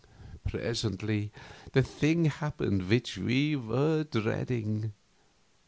Presently the thing happened which we were dreading.